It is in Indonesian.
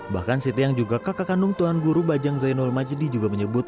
bahkan siti yang juga kakak kandung tuan guru bajang zainul majdi juga menyebut